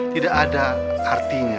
tidak ada artinya